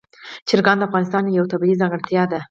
چرګان د افغانستان یوه طبیعي ځانګړتیا ده.